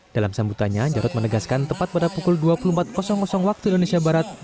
dalam sambutannya jarod menegaskan tepat pada pukul dua puluh empat waktu indonesia barat